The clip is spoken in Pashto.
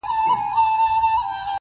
نه یم رسېدلی لا سپېڅلیي لېونتوب ته زه-